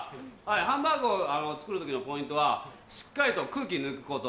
ハンバーグを作る時のポイントはしっかりと空気抜くこと。